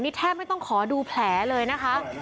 นี่แทบไม่ต้องขอดูแผลเลยนะคะ